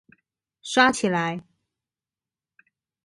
刷起來